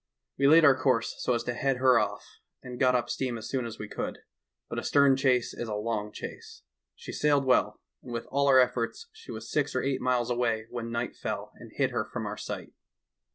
"We laid our course so as to head her off and got up steam as soon as we could. But a stern chase is a long chase. She sailed well, and with all our efforts she was six or eight miles away 176 THE TALKING HANDKERCHIEF. when night fell and hid her from our sight.